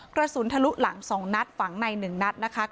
กระสุนทะลุหลัง๒นัดฝังใน๑นัดนะคะ